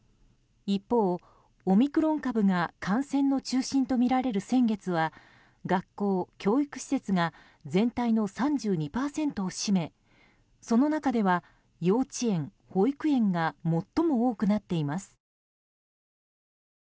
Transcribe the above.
一方、オミクロン株が感染の中心とみられる先月は学校・教育施設が全体の３２％を占めその中では幼稚園・保育園が最も多くなっています。